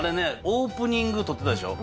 オープニング撮ってたでしょ？